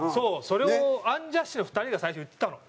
それをアンジャッシュの２人が最初言ってたの。